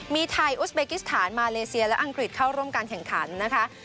มีไทยอุสเบกิสถานมาเลเซียและอังกฤษเข้าร่วมการแข่งขันนะคะ